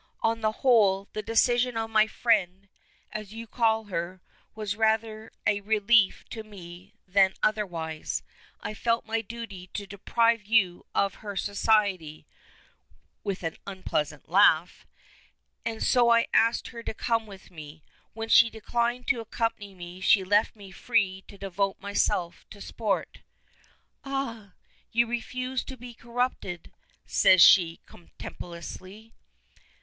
"On the whole, the decision of my 'friend,' as you call her, was rather a relief to me than otherwise. I felt it my duty to deprive you of her society" with an unpleasant laugh "and so I asked her to come with me. When she declined to accompany me she left me free to devote myself to sport." "Ah! you refuse to be corrupted?" says she, contemptuously.